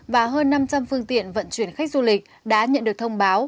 và hơn năm trăm linh phương tiện vận chuyển khách du lịch đã nhận được thông báo